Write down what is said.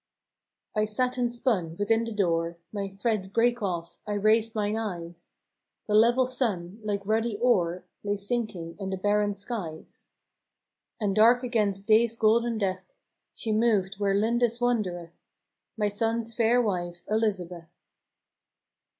I sat and spun within the doore, My thread brake off, I raised myne eyes ; The level sun, like ruddy ore, Lay sinking in the barren skies; THE HIGH TIDE. 69 And dark against day's golden death She moved where Lindis wandereth My sonne's faire wife, Elizabeth.